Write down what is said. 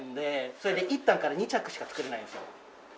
それで１反から２着しか作れないんですよ。